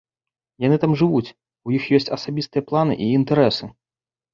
Яны там жывуць, у іх ёсць асабістыя планы і інтарэсы.